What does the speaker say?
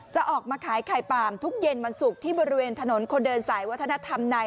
จะออกมาขายไข่ป่ามทุกเย็นวันศุกร์ที่บริเวณถนนคนเดินสายวัฒนธรรมใน